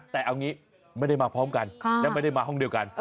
แต่เอางี้ไม่ได้มาพร้อมกันและไม่ได้มาห้องเดียวกัน